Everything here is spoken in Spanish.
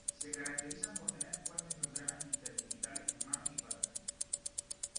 Se caracterizan por tener fuertes membranas interdigitales en manos y patas.